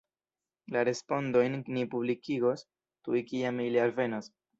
La respondojn ni publikigos tuj kiam ili alvenos.